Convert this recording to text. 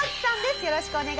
よろしくお願いします。